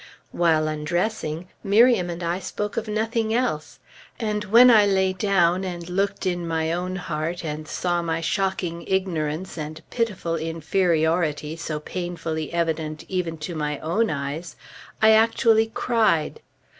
While undressing, Miriam and I spoke of nothing else. And when I lay down, and looked in my own heart and saw my shocking ignorance and pitiful inferiority so painfully evident even to my own eyes, I actually cried.